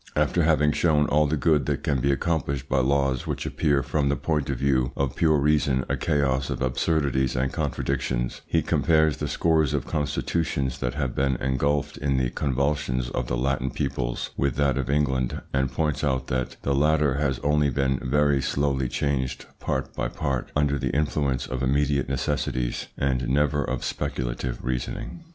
After having shown all the good that can be accomplished by laws which appear from the point of view of pure reason a chaos of absurdities and contradictions, he compares the scores of constitutions that have been engulfed in the convulsions of the Latin peoples with that of England, and points out that the latter has only been very slowly changed part by part, under the influence of immediate necessities and never of speculative reasoning.